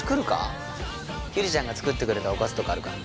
ゆりちゃんが作ってくれたおかずとかあるから。